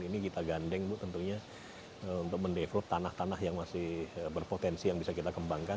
jadi mitra mitra lokal ini kita gandeng bu tentunya untuk mendevelop tanah tanah yang masih berpotensi yang bisa kita kembangkan